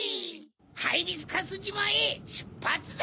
ハイビスカスじまへしゅっぱつだ！